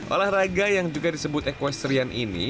olahraga yang juga disebut equestrian ini